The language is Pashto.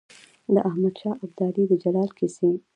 د احمد شاه ابدالي د جلال کیسې.